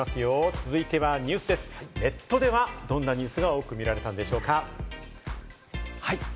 続いてはニュースです、ネットではどんなニュースが多く見られたのでしょうか。